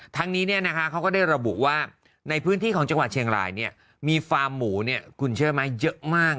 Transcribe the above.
ทั้งนี้เขาก็ได้ระบุว่าในพื้นที่ของจังหวัดเชียงรายมีฟาร์มหมูคุณเชื่อไหมเยอะมาก